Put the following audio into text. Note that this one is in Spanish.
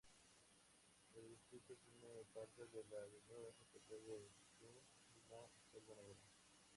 El distrito tiene parte de la llanura superior del Rin y la Selva Negra.